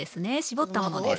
絞ったものです。